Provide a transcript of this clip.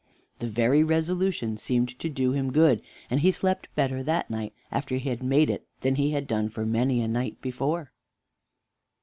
The very resolution seemed to do him good, and he slept better that night after he had made it than he had done for many a night before.